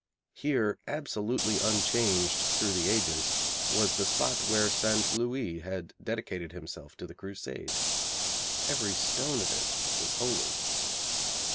Here, absolutely unchanged through the ages, was the spot where St. Louis had dedicated himself to the Crusade. Every stone of it was holy.